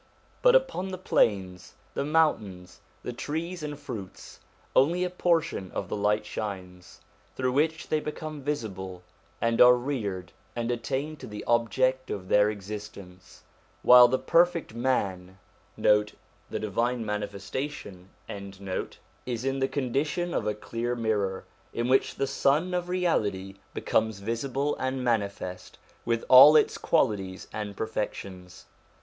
But upon the plains, the mountains, the trees and fruits, only a portion of the light shines, through which they become visible, and are reared, and attain to the object of their existence; while the Per fect Man 1 is in the condition of a clear mirror, in which the Sun of Reality becomes visible and manifest with all its qualities, and perfections.